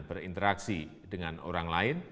berinteraksi dengan orang lain